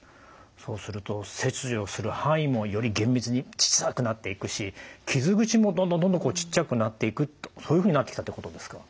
そうすると切除する範囲もより厳密にちっさくなっていくし傷口もどんどんどんどんちっちゃくなっていくとそういうふうになってきたってことですか？